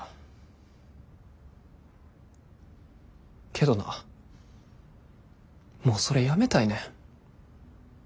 けどなもうそれやめたいねん。